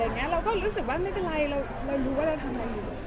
อย่างแม่เองเขาว่าไงบ้างกับสิ่งที่เขาภาพิกัด